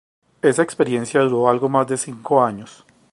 Esa experiencia duró algo más de cinco años.